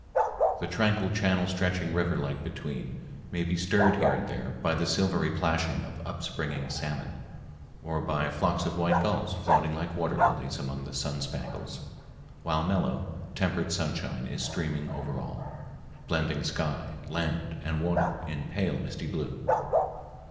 The tranquil channel stretching river like between, may be stirred here and there by the silvery plashing of upspringing salmon, or by flocks of white gulls floating like water lilies among the sun spangles; while mellow, tempered sunshine is streaming over all, blending sky, land, and water in pale, misty blue.